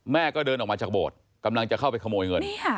แม่ก็เดินออกมาจากโบสถ์กำลังจะเข้าไปขโมยเงิน